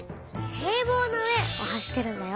「堤防の上」を走ってるんだよ。